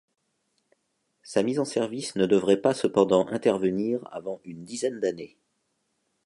Sa mise en service ne devrait pas cependant intervenir avant une dizaine d'années.